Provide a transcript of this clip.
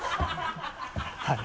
はい。